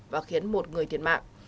và khiến một người thiệt mạng